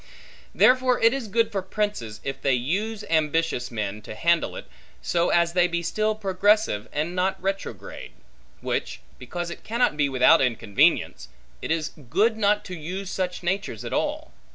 Therefore it is good for princes, if they use ambitious men, to handle it, so as they be still progressive and not retrograde; which, because it cannot be without inconvenience, it is good not to use such natures at all.